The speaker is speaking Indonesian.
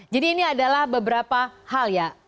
jadi ini adalah beberapa hal ya